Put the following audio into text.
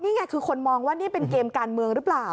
นี่ไงคือคนมองว่านี่เป็นเกมการเมืองหรือเปล่า